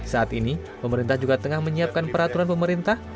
saat ini pemerintah juga tengah menyiapkan peraturan pemerintah